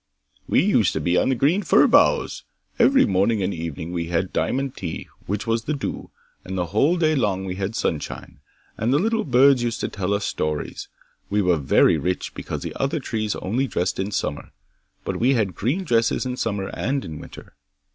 '"We used to be on the green fir boughs. Every morning and evening we had diamond tea, which was the dew, and the whole day long we had sunshine, and the little birds used to tell us stories. We were very rich, because the other trees only dressed in summer, but we had green dresses in summer and in winter.